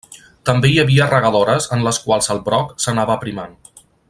També hi havia regadores en les quals el broc s'anava aprimant.